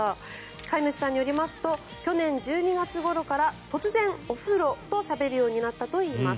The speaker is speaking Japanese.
飼い主さんによりますと去年１２月ごろから突然お風呂としゃべるようになったといいます。